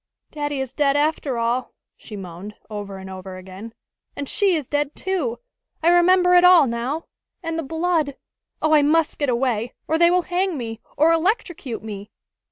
"Daddy is dead, after all!" she moaned, over and over again. "And she is dead, too! I remember it all, now. And the blood! Oh, I must get away, or they will hang me, or electrocute me!"